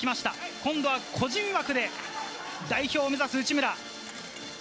今度は個人枠で代表を目指す内村。